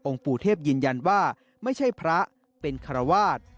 ปู่เทพยืนยันว่าไม่ใช่พระเป็นคารวาส